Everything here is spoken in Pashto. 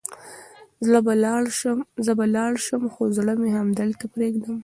زه به لاړ شم، خو زړه مې همدلته پرېږدم.